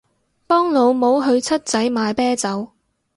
幫老母去七仔買啤酒